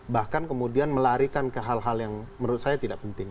bahkan kemudian melarikan ke hal hal yang menurut saya tidak penting